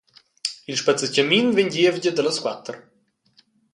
Il spazzatgamin vegn gievgia dallas quater.